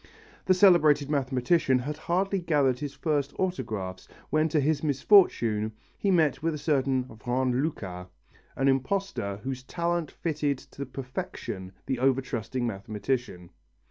The celebrated mathematician had hardly gathered his first autographs when to his misfortune he met with a certain Vrain Lucas, an imposter whose talent fitted to perfection the over trusting mathematician.